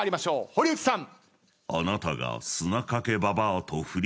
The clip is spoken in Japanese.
堀内さん。